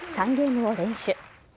ゲームを連取。